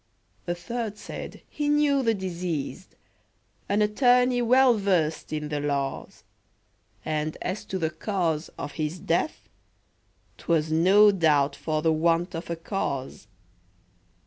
A third said, "He knew the deceased, An attorney well versed in the laws, And as to the cause of his death, 'Twas no doubt for the want of a cause."